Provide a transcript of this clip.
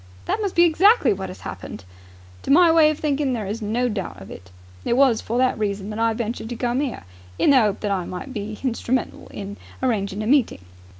"That must be exactly what has happened." "To my way of thinking there is no doubt of it. It was for that reason that I ventured to come 'ere. In the 'ope that I might be hinstrumental in arranging a meeting."